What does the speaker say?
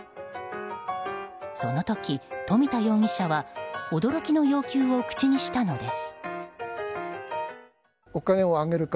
その時、冨田容疑者は驚きの要求を口にしたのです。